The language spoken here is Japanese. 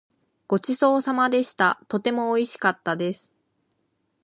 ごちそうさまでした。とてもおいしかったです。